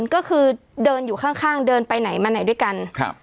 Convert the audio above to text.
ก็คือเดินอยู่ข้างเดินไปไหนมาไหนด้วยกันครับ